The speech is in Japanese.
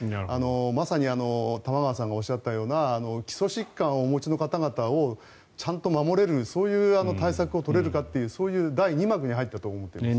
まさに玉川さんがおっしゃったような基礎疾患をお持ちの方々をちゃんと守れるそういう対策を取れるかというそういう第２幕に入ったと思っています。